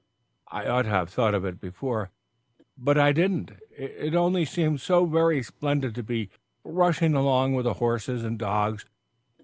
"I ought to have thought of it before, but I didn't; it only seemed so very splendid to be rushing along with the horses and dogs.